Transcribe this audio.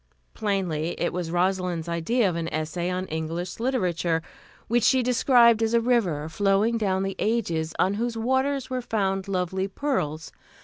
_" Plainly, it was Rosalind's idea of an essay on English literature, which she described as a river flowing down the ages, on whose waters were found lovely pearls.